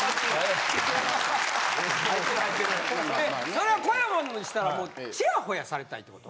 それは小山にしたらチヤホヤされたいってこと？